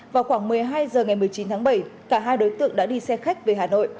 vào khoảng một mươi hai h ngày một mươi chín tháng bảy cả hai đối tượng đã đi xe khách về hà nội